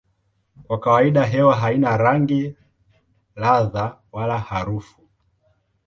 Kwa kawaida hewa haina rangi, ladha wala harufu.